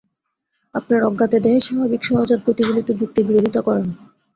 আপনার অজ্ঞাতে দেহের স্বাভাবিক সহজাত গতিগুলি তো যুক্তির বিরোধিতা করে না।